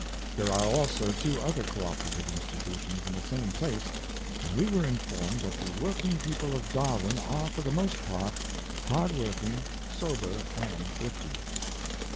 There are also two other co operative institutions in the same place; and we were informed that the work ing people of Darwen are, for the most part, hard work ing, sober, and thrifty.